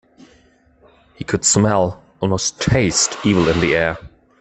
He could smell, almost taste, evil in the air.